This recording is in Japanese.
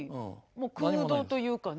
もう空洞というかね。